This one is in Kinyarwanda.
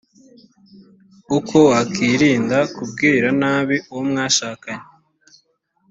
uko wakwirinda kubwira nabi uwo mwashakanye